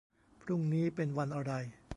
พรุ่งนี้เป็นวันอะไร